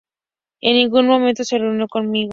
En ningún momento se reunió conmigo.